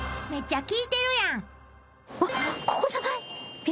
［めっちゃ聞いてるやん］